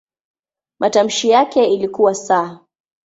Matamshi yake ilikuwa "s".